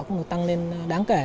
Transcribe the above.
cũng được tăng lên đáng kể